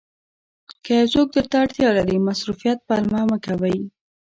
که یو څوک درته اړتیا لري مصروفیت پلمه مه کوئ.